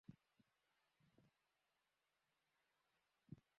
সড়ক পরিবহন বিভাগ বলেছে, সমিতিগুলোর কাছে আগেই ভাড়ার তালিকা পাঠানো হয়েছে।